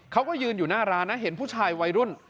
เขาก็ยืนอยู่หน้าร้านนะเห็นผู้ชายวัยรุ่น